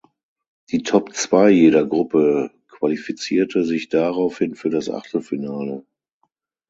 Die Top zwei jeder Gruppe qualifizierte sich daraufhin für das Achtelfinale.